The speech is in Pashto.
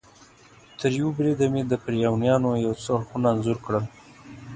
تریوه بریده مې د فرعونیانو یو څه اړخونه انځور کړل.